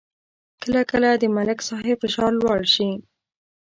کله کله د ملک صاحب فشار لوړ شي